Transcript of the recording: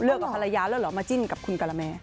กับภรรยาแล้วเหรอมาจิ้นกับคุณกะละแม่